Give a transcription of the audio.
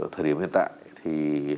thời điểm hiện tại thì